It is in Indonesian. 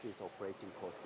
apa yang penting adalah